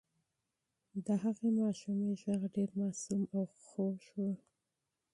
د هغې ماشومې غږ ډېر معصوم او خوږ و.